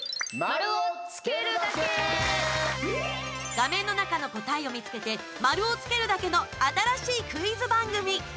画面の中の答えを見つけて丸をつけるだけの新しいクイズ番組。